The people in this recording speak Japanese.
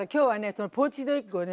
そのポーチドエッグをね